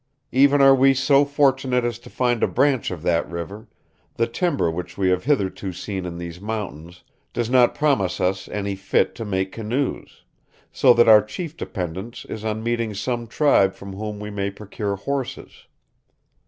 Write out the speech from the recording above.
Even are we so fortunate as to find a branch of that river, the timber which we have hitherto seen in these mountains does not promise us any fit to make canoes, so that our chief dependence is on meeting some tribe from whom we may procure horses.